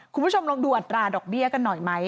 คุณผู้ชมลองดูอัตราดอกเบี้ยกันหน่อยไหม